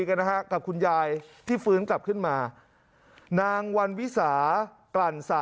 กันนะฮะกับคุณยายที่ฟื้นกลับขึ้นมานางวันวิสากลั่นสะ